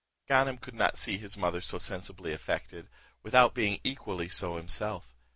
Ganem could not see his mother so sensibly affected, without being equally so himself.